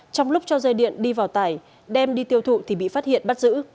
trong lúc cho dây điện đi vào tải đem đi tiêu thụ thì bị phát hiện bắt giữ